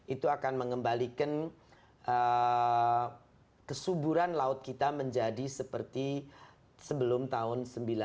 itu akan mengembalikan kesuburan laut kita menjadi seperti sebelum tahun seribu sembilan ratus delapan puluh